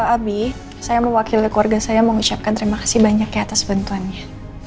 abi saya mewakili keluarga saya mengucapkan terima kasih banyak ya atas bantuannya